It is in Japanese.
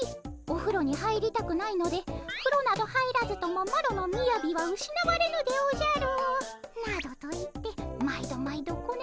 おふろに入りたくないので「ふろなど入らずともマロのみやびはうしなわれぬでおじゃる」などと言って毎度毎度ごねられます。